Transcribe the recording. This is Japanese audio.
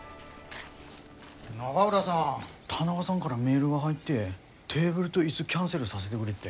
永浦さん田中さんがらメールが入ってテーブルと椅子キャンセルさせでくれって。